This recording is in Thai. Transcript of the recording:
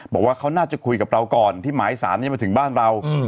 บอกว่าเขาน่าจะคุยกับเราก่อนที่หมายสารนี้มาถึงบ้านเรา